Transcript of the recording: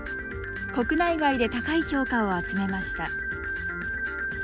国内外で高い評価を集めました